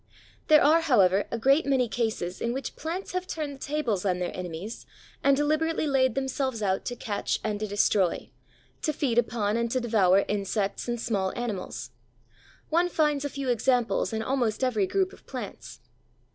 There are, however, a great many cases in which plants have turned the tables on their enemies and deliberately laid themselves out to catch and to destroy, to feed upon and to devour insects and small animals. One finds a few examples in almost every group of plants.